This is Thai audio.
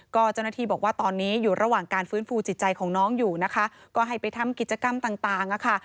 ก็เจ้าหน้าที่บอกว่าตอนนี้อยู่ระหว่างการฟื้นฟูจิตใจของน้องอยู่นะคะก็ให้ไปทำกิจกรรมต่างนะคะ